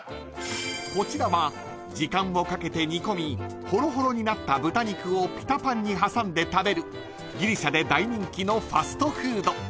［こちらは時間をかけて煮込みほろほろになった豚肉をピタパンに挟んで食べるギリシャで大人気のファストフード］